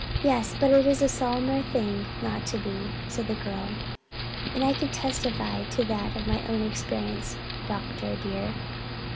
'Yes, but it is a solemner thing not to be,' said the girl. And I can testify to that out of my own experience, doctor dear.